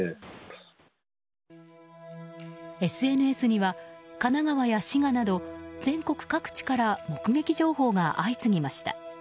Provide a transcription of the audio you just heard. ＳＮＳには神奈川や滋賀など全国各地から目撃情報が相次ぎました。